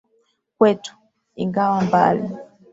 Kwetu (ingawa mbali)